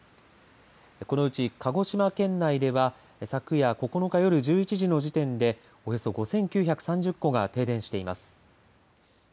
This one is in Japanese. このうち鹿児島県内では昨夜９日夜１１時の時点でおよそ５９３０戸が停電しています。